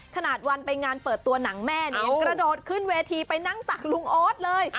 ขนาดวันไปงานเปิดตัวหนังแม่เนี่ยยังกระโดดขึ้นเวทีไปนั่งตักลุงโอ๊ตเลย